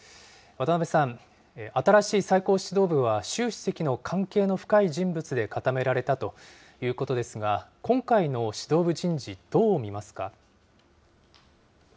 渡辺さん、新しい最高指導部は習主席の関係の深い人物で固められたということですが、今回の指導部人事、どう見ますか。